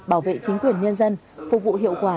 bảo vệ chính quyền nhân dân phục vụ hiệu quả